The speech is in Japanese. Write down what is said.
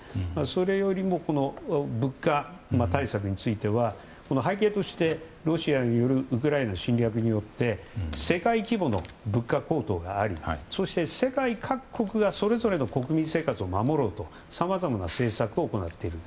それよりも物価対策については背景として、ロシアによるウクライナ侵略によって世界規模の物価高騰がありそして世界各国がそれぞれの国民生活を守ろうとさまざまな政策を行っている。